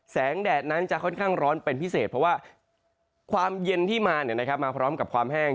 แดดนั้นจะค่อนข้างร้อนเป็นพิเศษเพราะว่าความเย็นที่มามาพร้อมกับความแห้ง